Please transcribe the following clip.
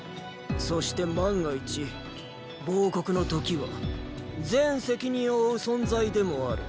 そして万が一“亡国の時”は全責任を負う存在でもある。！